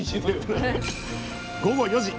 午後４時。